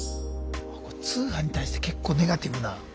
通販に対して結構ネガティブな。